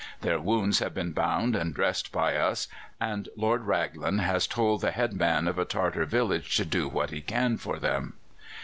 Their wounds have been bound and dressed by us, and Lord Raglan has told the head man of a Tartar village to do what he can for them.